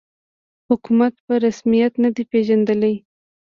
حکومت په رسمیت نه دی پېژندلی